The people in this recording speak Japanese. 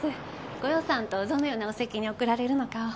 ご予算とどのようなお席に贈られるのかを。